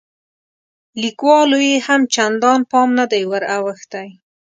لیکوالو یې هم چندان پام نه دی وراوښتی.